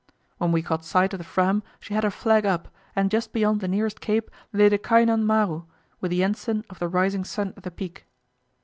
When we caught sight of the Fram she had her flag up, and just beyond the nearest cape lay the Kainan Maru, with the ensign of the Rising Sun at the peak.